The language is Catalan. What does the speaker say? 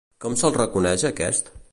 Com se'l reconeix a aquest?